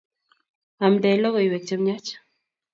aamdei lokoiwek che miach